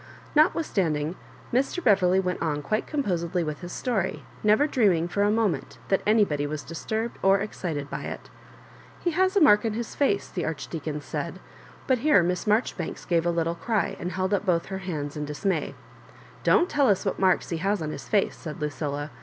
Notwithstanding, Mr. Beverley went on quite composedly with his story, never dream ing for a moment that anybody was disturbed or excited by it He has a mark on his face," the Archdeacon said — but here Miss Maijori banks gave a little cry, and held up both her hands in dismay, '* Don't tell us what marks he has on his face," said Lucilla.